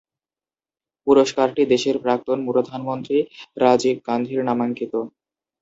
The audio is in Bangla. পুরস্কারটি দেশের প্রাক্তন প্রধানমন্ত্রী রাজীব গান্ধীর নামাঙ্কিত।